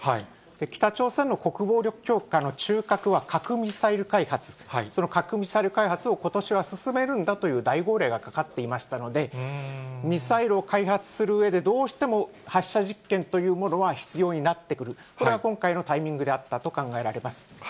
北朝鮮の国防力強化の中核は核・ミサイル開発、その核・ミサイル開発を、ことしは進めるんだという大号令がかかっていましたので、ミサイルを開発するうえで、どうしても発射実験というものは必要になってくる、これが今回のタイミングであったと考えられます。